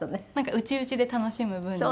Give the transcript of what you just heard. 内々で楽しむ分には。